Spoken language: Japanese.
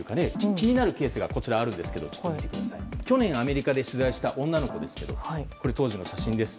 気になるケースがあるんですが去年アメリカで取材した女の子ですけどもこれは当時の写真です。